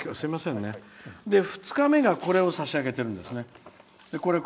２日目が、これを差し上げてるんですね。